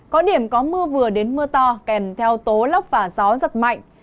có điểm có mưa vừa đến mưa to kèm theo tố lốc và gió giật mạnh